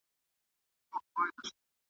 له آدمه تر دې دمه دا قانون دی .